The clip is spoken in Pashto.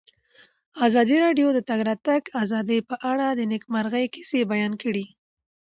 ازادي راډیو د د تګ راتګ ازادي په اړه د نېکمرغۍ کیسې بیان کړې.